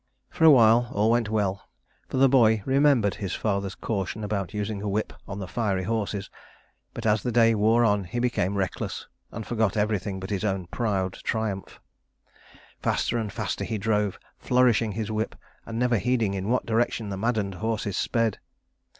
For a while all went well, for the boy remembered his father's caution about using a whip on the fiery horses; but as the day wore on he became reckless, and forgot everything but his own proud triumph. Faster and faster he drove, flourishing his whip, and never heeding in what direction the maddened horses sped.